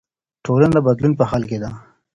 ټولنه د بدلون په حال کې ده.